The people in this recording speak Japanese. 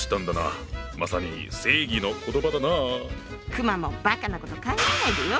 熊もばかなこと考えないでよ！